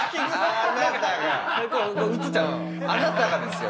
あなたがですよ